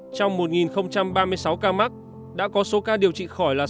trong một ba mươi sáu ca mắc đã có số ca điều trị khỏi là sáu trăm ba mươi bảy ca